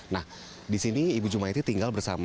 nah di sini ibu jumaiti tinggal bersama